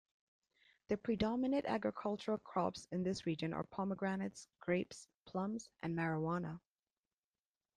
The predominate agricultural crops in this region are pomegranates, grapes, plums, and marijuana.